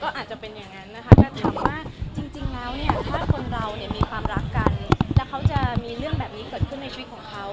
อาจจะเป็นอย่างนั้นนะคะแต่ถามว่าจริงแล้วเนี่ยถ้าคนเราเนี่ยมีความรักกันแล้วเขาจะมีเรื่องแบบนี้เกิดขึ้นในชีวิตของเขา